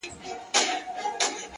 اوس چي سهار دى گراني؛